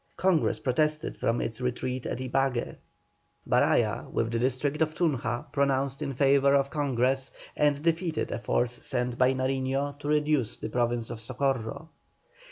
Congress protested from its retreat at Ibague. Baraya, with the district of Tunja, pronounced in favour of Congress, and defeated a force sent by Nariño to reduce the Province of Socorro.